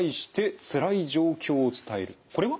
これは？